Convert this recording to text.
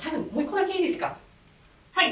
はい。